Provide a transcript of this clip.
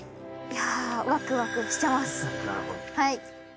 はい。